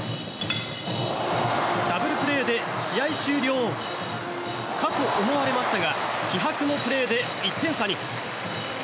ダブルプレーで試合終了かと思われましたが気迫のプレーで１点差に。